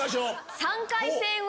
３回戦は。